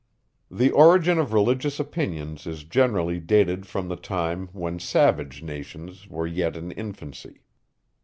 The origin of religious opinions is generally dated from the time, when savage nations were yet in infancy.